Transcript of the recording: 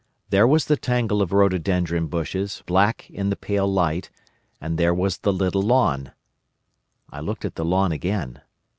There was the tangle of rhododendron bushes, black in the pale light, and there was the little lawn. I looked at the lawn again.